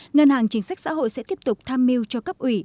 ngân hàng chính sách xã hội sẽ tiếp tục tham mưu cho cấp ủy